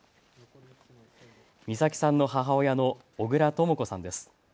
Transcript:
美咲さんの母親の小倉とも子さんです。